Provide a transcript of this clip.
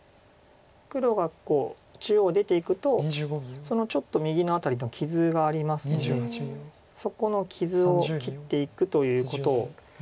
黒が中央出ていくとそのちょっと右の辺り傷がありますのでそこの傷を切っていくということを。